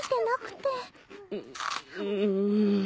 ううん。